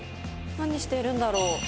・何してるんだろう？